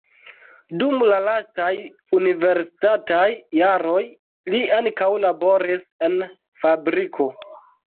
Dum la lastaj universitataj jaroj li ankaŭ laboris en fabriko.